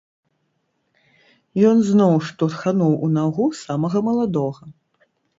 Ён зноў штурхануў у нагу самага маладога.